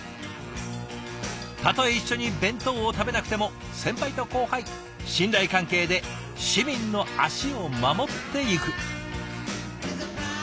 たとえ一緒に弁当を食べなくても先輩と後輩信頼関係で市民の足を守っていく。